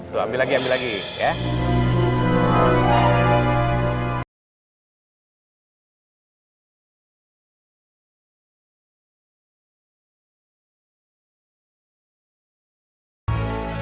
itu ambil lagi ambil lagi ya